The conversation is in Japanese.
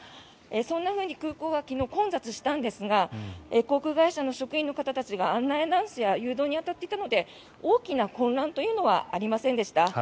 そんなふうに空港は昨日、混雑したんですが航空会社の職員の方たちが案内アナウンスや誘導に当たっていたので大きな混乱というのはありませんでした。